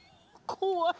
怖い！